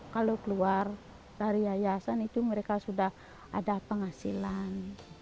kalau keluar dari yayasan itu mereka sudah ada penghasilan